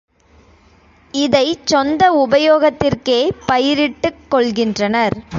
இதைச் சொந்த உபயோகத்திற்கே பயிரிட்டுக் கொள்கின்றனர்.